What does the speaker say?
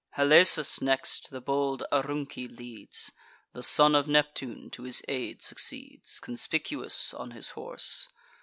Halesus, next, the bold Aurunci leads: The son of Neptune to his aid succeeds, Conspicuous on his horse.